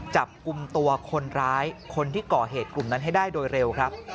จับกลุ่มตัวคนร้ายคนที่ก่อเหตุกลุ่มนั้นให้ได้โดยเร็วครับ